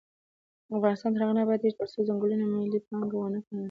افغانستان تر هغو نه ابادیږي، ترڅو ځنګلونه ملي پانګه ونه ګڼل شي.